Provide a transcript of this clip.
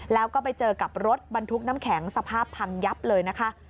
แล้วก็ไปเจอกับรถบรรทุกน้ำแข็งสภาพพังยับเลยนะคะ